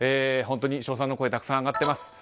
本当に称賛の声がたくさん上がっています。